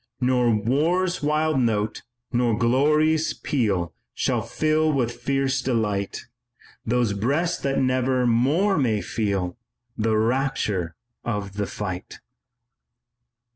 "Nor war's wild note, nor glory's peal Shall fill with fierce delight Those breasts that never more may feel The rapture of the fight."